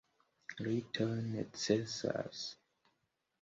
Ritoj necesas.